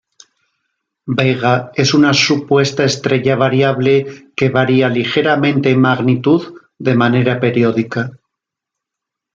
Vega es una supuesta estrella variable que varía ligeramente en magnitud de manera periódica.